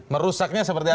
merusaknya seperti apa